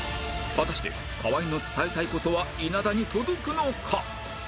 果たして河井の伝えたい事は稲田に届くのか？